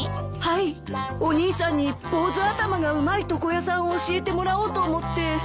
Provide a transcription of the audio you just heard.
はいお兄さんに坊主頭がうまい床屋さんを教えてもらおうと思って。